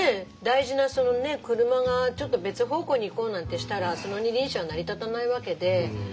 大事なその車がちょっと別方向に行こうなんてしたらその二輪車は成り立たないわけで。